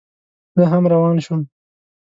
زه هم روان شوم.